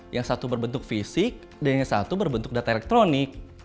yang satu berbentuk fisik dan yang satu berbentuk data elektronik